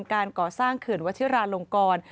การก่อสร้างเขื่อนวัชิราลงกร